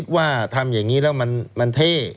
ว่าทำอย่างนี้แล้วมันเท่